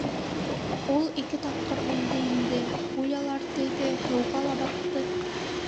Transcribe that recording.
Ул ике тапҡыр үлде инде: пулялар тейҙе, һыуға ла батты.